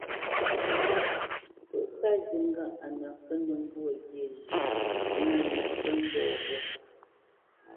Ó ká zi ŋgâʼ a nə kə́ nə́ mbwô ghyê zhʉ̌ʼ lá mə ntə́ mbɔ̂ ghô ?